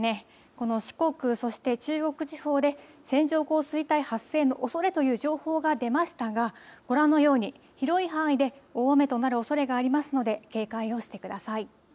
この四国、そして中国地方で線状降水帯発生のおそれという情報が出ましたがご覧のように広い範囲で大雨となるおそれがありますので警戒をしてください。